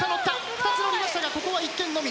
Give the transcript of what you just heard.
２つ乗りましたがここは１点のみ。